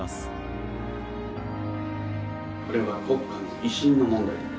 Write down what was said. これは国家の威信の問題でもある。